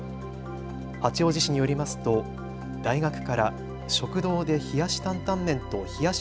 八王子市によりますと大学から食堂で冷やしタンタン麺と冷やし